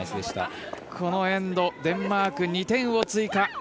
このエンド、デンマーク２点を追加。